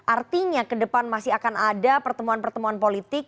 artinya ke depan masih akan ada pertemuan pertemuan politik